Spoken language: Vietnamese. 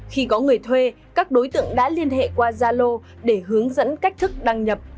khi có người thuê các đối tượng đã liên hệ qua gia lô để hướng dẫn cách thức đăng nhập